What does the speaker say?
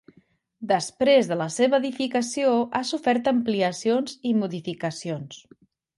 Després de la seva edificació ha sofert ampliacions i modificacions.